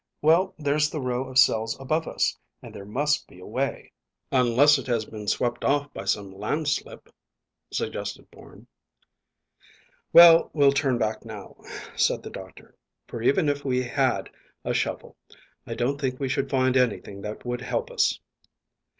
"Well, there's the row of cells above us, and there must be a way." "Unless it has been swept off by some landslip," suggested Bourne. "Well, we'll turn back now," said the doctor, "for even if we had a shovel I don't think we should find anything that would help us."